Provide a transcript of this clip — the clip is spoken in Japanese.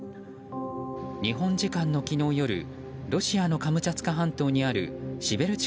日本時間の昨日夜ロシアのカムチャツカ半島にあるシベルチ